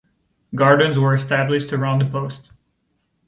Gardens were established around the post.